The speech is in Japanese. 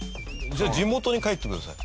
じゃあ地元に帰ってください。